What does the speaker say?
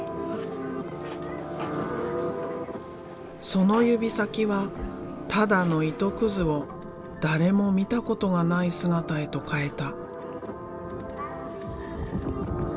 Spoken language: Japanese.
その指先はただの糸くずを誰も見たことがない姿へと変えた。